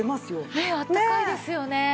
ねえあったかいですよね。